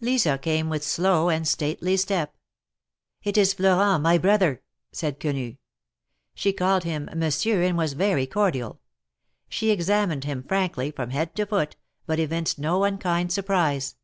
Lisa came with slow and stately step. " It is Florent — my brother," said Quenu. She called him "Monsieur," and was very cordial. She examined him frankly from head to foot, but evinced no unkind surprise.